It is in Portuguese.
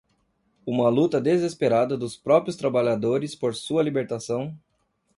uma luta desesperada dos próprios trabalhadores por sua libertação